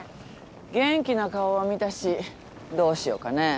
元気な顔は見たしどうしようかねぇ。